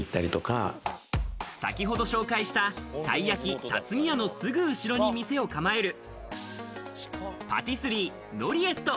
先程紹介した、たい焼きたつみやのすぐ後ろに店を構える、パティスリー・ノリエット。